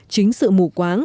chính sự mù quáng